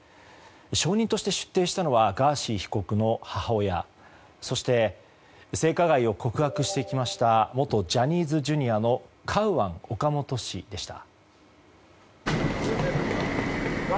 証人として出廷したのはガーシー被告の母親そして、性加害を告白してきました元ジャニーズＪｒ．のカウアン・オカモト氏でした。